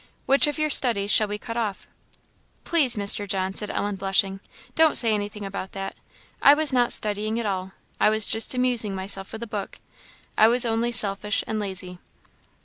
"Which of your studies shall we cut off?" "Please, Mr. John," said Ellen, blushing, "don't say anything about that! I was not studying at all I was just amusing myself with a book I was only selfish and lazy."